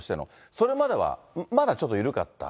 それまではまだちょっと緩かった。